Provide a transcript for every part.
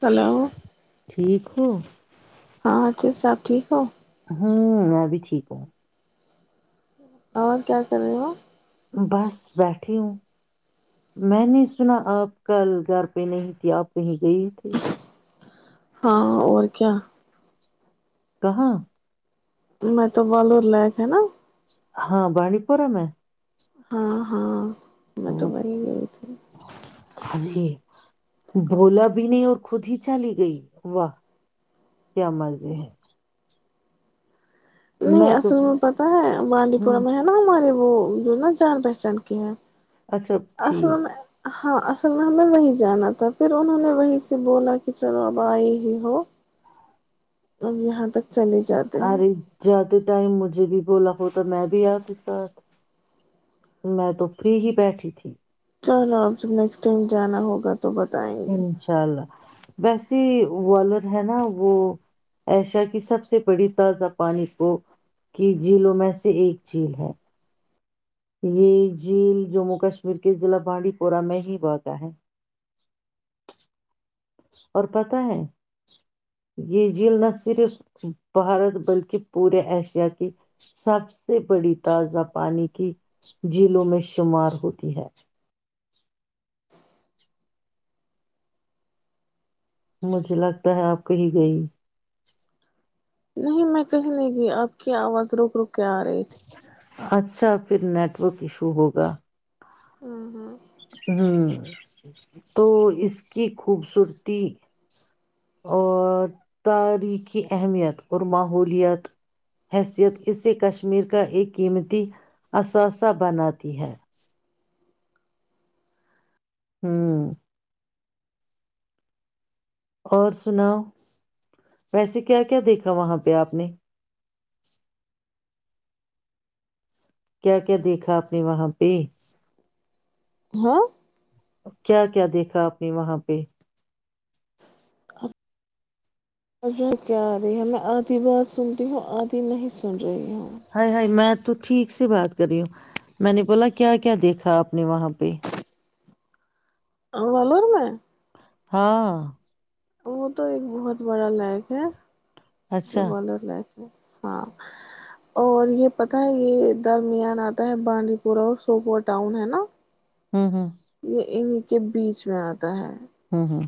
hello ہ [unintelligible] ہاں اچی سب ٹھیک ہو ہوں میں بھی ٹھیک ہوں اور کیا کر رہی ہو بس بیٹھی ہوں میں نے سنا آپ کل گھر پہ نہیں تھی آپ کہیں گئے تھھی ہاں اور کیا کہاں میں تو بور لائیک ہے نا ہاں بانی پورم ہے ہاں ہاں میں تو بڑ ہی گئی تھی اری بولا بھی نہیں اور خود ہی چال گئی واہ کیا مرضی ہے نہیں اصل میں پتاہ ہے بانڈی پورہ ہوں میں ہے نا ہمارے وہ جو نا جان پہچان کے ہیں اچھا ٹھیک اصل [inaudible] میں ہاں اصل میں میں وہیں جانا تھا پھر انہوں نے وہیں سے بولا کہ چلو اب آئی ہی ہو اب یہاں تک چلے جاتے ار ہیں جات [inaudible] ٹائم مجھے بھی بولا ہوتا میں بھی آپ کے ساتھ میں تو فری ہی بیٹھی تھی چلو اب جب نیکسٹ ٹائم جانا ہوگا تو بتائیں گے [unintelligible] انشاء اللہ ویسے والر ہے نا وہ ایشیا کی سب سے بڑی تازہ پانی کو کی جھیلوں میں سے ایک جھیل ہے یہ جھیل جموں کشمیر کے ضلع بانڈی پورہ میں ہی واقع ہے اور پتہ ہے یہ جھیل نہ صرف بھارت بلکہ پورے ایشیا کی سب سے بڑی تازہ پانی کی جھیلوں میں شمار ہوتی ہے مجھے لگتا ہے آپ کہیں گئی نہیں میں کہنے گی آپ کی آواز رک رک کیااری تھ [inaudible] اچھا پھر نیٹورک ایشو ہوگا ہ ہاں [inaudible] ہ تو اس کی خوبصورتی اور تاریخی اہمیت اور ماحولیات حیثیت اسے کشمیر کا ایک قیمتی اثاثہ بناتی ہے ہوں [inaudible] اور سناؤ ویسے کیا کیا دیکھا وہاں پہ آپ نے کیا کیا دیکھا آپ نے وہاں پہ ہاں [inaudible] کیا کیا دیکھا آپ نے وہاں پہ ج کیا آ رہی ہے میں آدھی بات سنتی ہوں آدھی نہیں سن رہی ہوں ہائے ہائے میں تو ٹھیک سے بات کر رہی ہوں میں نے بولا کیا کیا دیکھا آپ نے وہاں پہ ا ولور میں [unintelligible] ہاں [inaudible] وہ تو ایک بہت بڑا لائیک ہے جو اچھا بالر لائ [unintelligible] ہاں اور یہ پت ہے یہ درمیان آتا ہے بانڈی پورہ اور سوپور ٹاؤن ہے نا ہوں ہوں انیں کے بیچ میں آتا ہے ہاں ہاں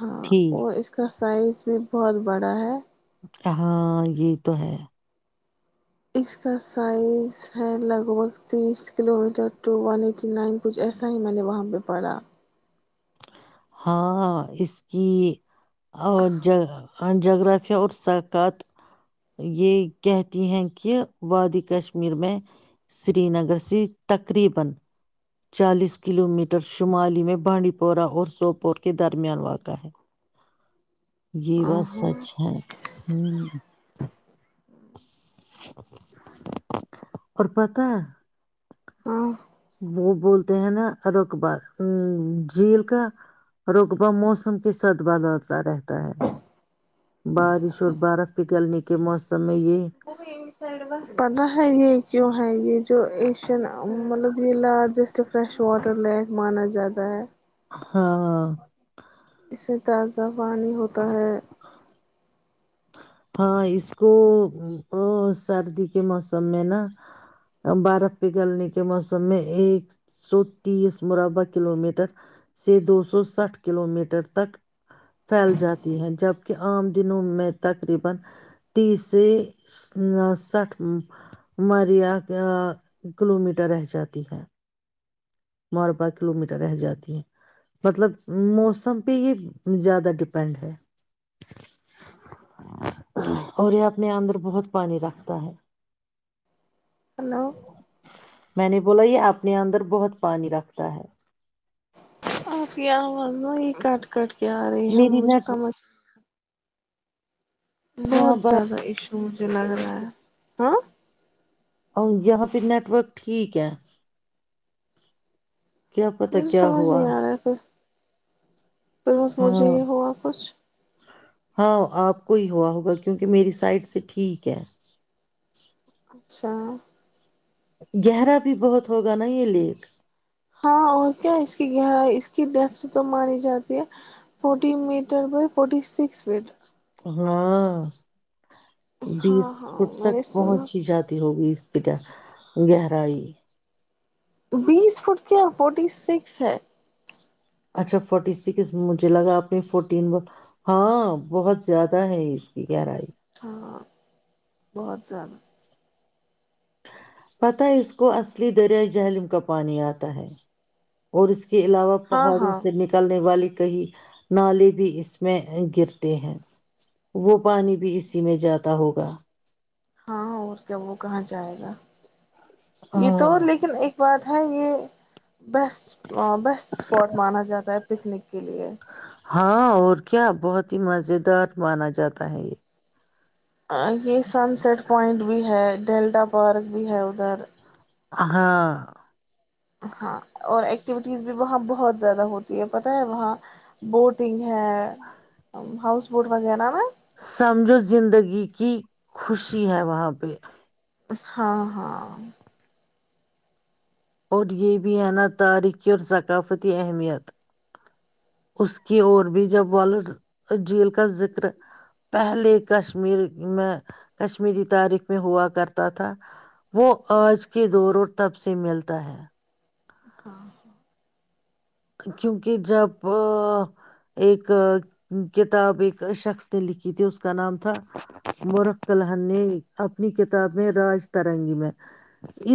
ہاں اور اس کا سائز بھی بہت بڑا ہے ہاں یہ تو ہے اس کا سائز ہے لگ بھگ تیس kilometre two one eighty nine کچھ ایسا ہی میں نے وہاں پہ پڑھا ہاں اس کی اور ج یہ کہتی ہیں کہ وادی کشمیر میں سری نگر سے تقریبا چالیس کلومییٹر شمالی میں بانڈی پورہ اور سوپور کے درمیان واقع ہے جی ہاں بس ہاں سچ ہے ہوں اور پتہ ہاں وہ بولتے ہیں نا رقبہ ا جھیل کا رقبہ موسم کے ساتھ بازتا رہتا ہے بارش اور برف پکلنے کے موسم میں یہ پتا ہے یہ کیوں ہے یہ جو ایشین مطلب یہ لارجسٹ فریش واٹر لیک مانا جاتا ہے ہاں اس سے تازہ پانی ہوتا ہے [unintelligible] ہاں اس کو سردی کے موسم میں نا برف پ گلنے کے موسم میں ایک سو تیس مربع کلو میٹر سے دو سو ساٹھ کلو میٹر تک پھیل جاتی ہے جبک عام دنوں میں تک تقریبا تیس سے سٹھ مرییا کلو میٹر رہ جاتی ہے ماربا کلو میٹر رہ جاتی ہے مطلب موسم پہ ہی زیادہ ڈپینڈ ہے اور یہ اپنے اندر بہت پانی رکھتا ہے ہلو میں نے بولا یہ اپنے اندر بہت پانی رکھتا ہے آف یہ آواز ن یہ کٹ کٹ کیا آ رہی ہم میری مجھے نیٹ سمجھ ورک بہت یہاں زیادہ عشق رچ لگ رہا ہے ہاں اور جاں پھر نیٹورک ٹھیک ہے کیا پتا مجھے کیا سمجھ ہوا پلس مجھے ہاں یہ ہوا کچھ ہاں آپ کو ہی ہوا ہوگا کیونکہ میری سائڈ سے ٹھیک ہے اچھا گہرا بھی بہت ہوگا نا یہ لیک ہاں اور کیا اس کی گہرائی اس ڈیپس تو مانی جاتی ہے forty metre by forty six feet ہاں بیس ہاں ہاں فٹ میں تک نے سنا پہنچی جاتی ہوگی گہرائی بیس فٹ کی اور فورٹی سکس ہے اچھا فورٹی سکس مجھے لگا اپنے فورٹین ہاں بہت زیادہ ہے اس کی گہرائی ہاں بہت زیادہ پتا ہے اس کو اصلی دریائے جہلملم کا پانی آتا ہے اور اس کے کے علاوہ ہاں پہاڑوں ہاں سے نکلنے والی کہئی نالے بھی اس میں گرتے ہیں وہ پانی بھی اسی میں جیااتدا ہوگا ہاں اور کیا وہ کہاں جائے گا یہ تو ہاں لیکن ایک باتہ ہے یہ بیسٹ بیسٹ سپاٹ مانا زات تھاب پکنک کے لیے ہاں اور کیا بہت ہی مزیدار مانا جاتا ہے یہ [unintelligible] سن سیٹ پوائنٹ بھی ہے ڈیلٹا پارک بھی ہے ادھر ہاں ہاں اور ایکٹیویٹیز بھی وہاں بہت بہت زیادہ ہوتی ہے پت ہے وہاں بوٹنگ ہے ہ ہؤس بوٹ وغیرہ نا سمجھو زندگی کی خوشی ہے وہاں پہ ہاں ہاں اور یہ بھی ہے نا تاریخی اور ثقافتی اہمیت اس کی اور بھی جب والد جھیل کا ذکر پہلے کشمیر میں کشمیری تاریخ میں ہوا کرتا تھا وہ آج کے دور تب سے ملتا ہے ہاںاں کیونکہ جب ایک کتاب ایک شخص نے لکھی تھی اس کا نام تھا مورکھ کلن نے اپنی کتاب میں راج ترنگی میں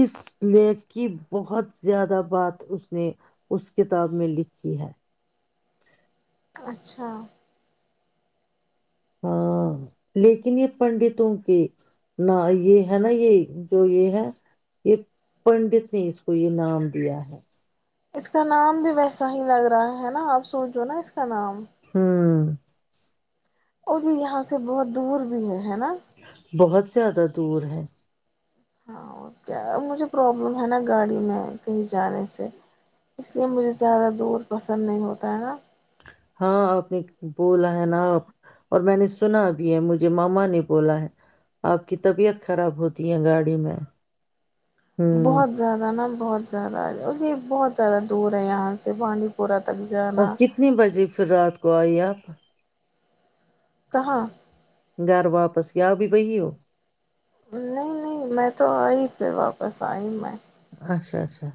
اس لی کی بہت زیادہ بات اس نے اس کتاب میں لکھی ہے اچھا ہاں لیکن یہ پنڈتوں کے ن یہ ہے نا یہ جو یہ ہے یہ پنڈت نے اس کو یہ نام دیا ہے اس کا نام بھی ویسا ہی لگ رہا ہے نا آپ سوچ جوو نا اس کا نام ہوں [unintelligible] اور بھی یہاں سے بہت دور بھی ہے ہے نا [unintelligible] بہت زیادہ دور ہے ہاں کیا مجھے پرابلم ہے نا گاڑی میں کہیں جانے سے اس لیے مجھے زیادہ دور پسند نہیں ہوتا ہے نا ہاں آپ نے بولا ہے نا آپ اور میں نے سنا بھی ہے مجھے ماما نے بولا ہے آپ کی طبیعت خراب ہوتی ہے گاڑی میں ہوں بہت زیادہ نا بہت زیادہ اور یہ بہت زیادہ دور ہے یہاں سے بانڈی پورہ تک اور جانا کتنی بجے پھر رات کو آئیے آپا [inaudible] کہاں گھر واپس آب بی ہو نہیں نہیں میں تو آئی پھر واپس آئی میں اچھا اچھا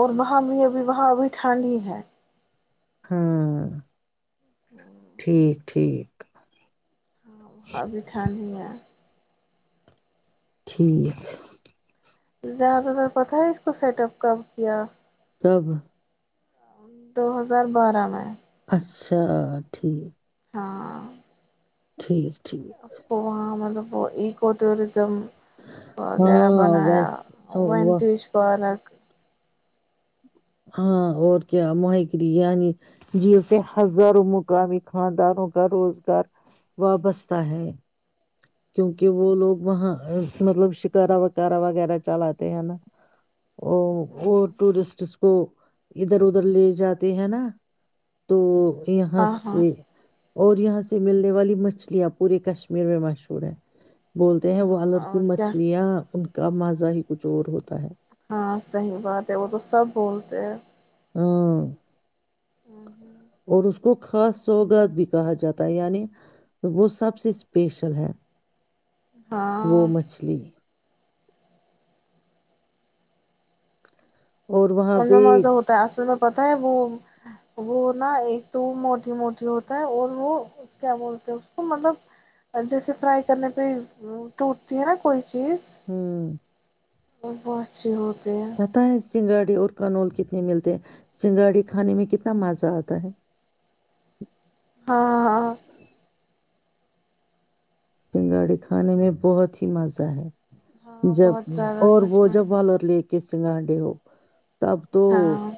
اور وہاں بھی ابھی وہاں ابھی ٹھنڈ ہی ہے ہاں ٹھیک ٹھیک ہ وہ ابھی ٹھن ہے ٹھیک زیادہ تر پتہ ہے اس کو سیٹ اپ کم کیا سب دو ہزار بارہ میں اچھا ٹھیک ہاں ٹھیک ٹھیک کو مطلب ا ایکو ٹوریزم وغیرہ ہاں بنایا ویس وینتیش پارک ہاں اور کیا ماہ گری یعنی جی سے ہزاروں مقامی خاندانوں کا روزگار وابستہ ہے کیونکہ وہ لوگ وہاں مطلب شکارا وکارہ وغیرہ چلاتے ہیں نا ا وہ ٹورسٹس کو ادھر ادھر لے جاتے ہیں نا تو یہاں ہاں ہاں سے اور یہاں سے ملنے والی مچھلیاں پورے کشمیر میں مشہور چے بول ہیں وہ ہاں الگ کی اور کیا مچھلیاں ان کا مزا ہی کچھ اور ہوتا ہے ہاں صحیح بات ہے وہ تو سب بولتے ہیں ہاں اور اس کو خاص سوگات بھی کہا جاتا ہے یعنی وہ سب سے اسپیشل ہے وہ ہاں مچھلی اور وہاں پہ پتا ہے وہ وہ نا ایک تو موٹی موٹی ہوتا ہے اور وہ کیا بولتے ہیں اس کو مطلب جیسے فرائی کرنے پہ ٹوٹتی ہے نا کوئی چیز ہوں اور بس ہو پتہ ہے سنگاڑی اور کنول کتنے ملتے ہیں سنگھڑی کھانے میں کتنا مزہ آتا ہے ہاں ہاں سنگاڑی کھانے میں بہت ہی مزہ ہے ہاں جب بہت زیادہ اور سچ وہ میں جب بال اور ل کے کسگاں ڈ ہو تب تو ہاں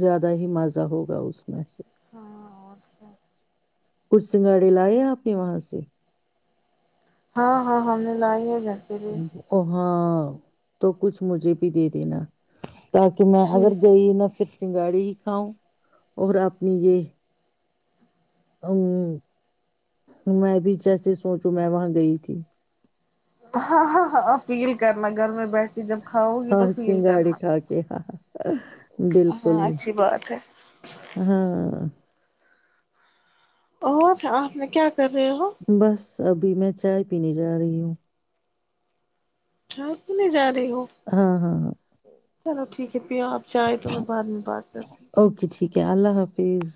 زیادہ ہی مزہ ہوگا اس میں سے ہاں اور س کچھ سنگھاڑے لائے آپ نے وہاں سے ہاں ہاں ہم نے لائی ہے ج اچھا ہاں تو کچھ مجھے بھی دے دینا تاکہ میں اگر ٹھیک ہے گئی ٹھیک نہا پھر چنگاڑی ہی کاؤ اور اپنی یہ ا میں بھی جیسے سوچوں میں وہاں گئی تھی ہاں اپیل کرنا گھر میں بیٹھ کے جب کھاؤ گی ہاں تو فیل سنگاڑی کرنا کا کے ہاں ہاں بالکل اچھی بات ہے ہاں ا س آپ نے کیا کر رہے ہو بس ابھی میں چائے پینے جا رہی ہوں ہپ نہیں جات ہاں ہاں ہاں چلو ٹھیک ہے پھر آپ جائیں تو میں بعد میں بات کرتی کیا اللہ حافظ